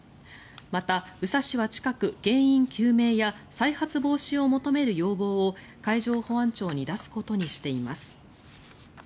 また、宇佐市は近く原因究明や再発防止を求める要望を海上保安庁に出すことにしています。